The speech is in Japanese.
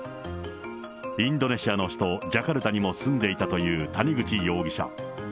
インドネシアの首都ジャカルタにも住んでいたという谷口容疑者。